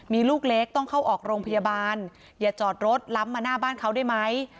มีลูกเล็กต้องเข้าออกโรงพยาบาลอย่าจอดรถล้ำมาหน้าบ้านเขาได้ไหม